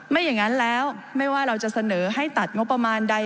ไม่อย่างนั้นแล้วไม่ว่าเราจะเสนอให้ตัดงบประมาณใด